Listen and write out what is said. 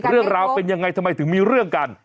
เรื่องราวเป็นยังไงทำไมถึงมีเรื่องกัน